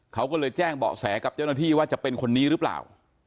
เขาก็เลยแจ้งเบาะแสกับเจ้าหน้าที่ว่าจะเป็นคนนี้หรือเปล่า